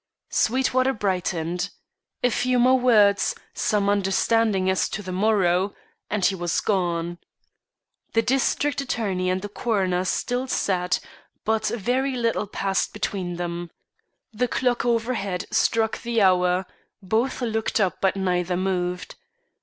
Sweetwater brightened. A few more words, some understanding as to the morrow, and he was gone. The district attorney and the coroner still sat, but very little passed between them. The clock overhead struck the hour; both looked up but neither moved.